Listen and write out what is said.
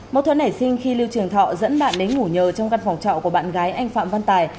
mâu thuẫn nảy sinh khi lưu trường thọ dẫn bạn đến ngủ nhờ trong căn phòng trọ của bạn gái anh phạm văn tài